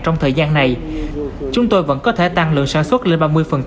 trong thời gian này chúng tôi vẫn có thể tăng lượng sản xuất lên ba mươi